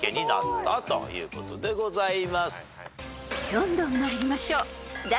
［どんどん参りましょう］